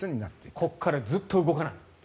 ここからずっと動かない。